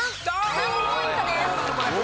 ３ポイントです。